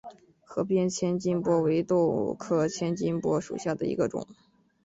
河边千斤拔为豆科千斤拔属下的一个种。